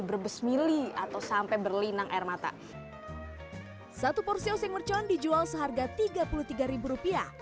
brebes mili atau sampai berlinang air mata satu porsi oseng mercon dijual seharga tiga puluh tiga rupiah